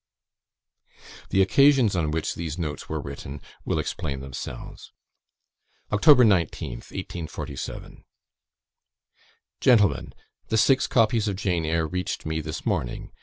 The occasions on which these notes were written, will explain themselves. "Oct. 19th, 1847. "Gentlemen, The six copies of "Jane Eyre" reached me this morning.